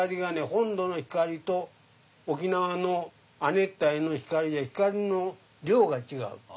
本土の光と沖縄の亜熱帯の光で光の量が違う。